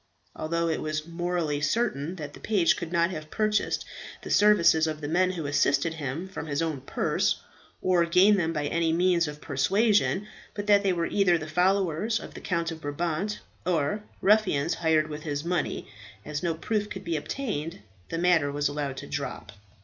Although it was morally certain that the page could not have purchased the services of the men who assisted him, from his own purse, or gain them by any means of persuasion, but that they were either the followers of the Count of Brabant, or ruffians hired with his money, as no proof could be obtained, the matter was allowed to drop.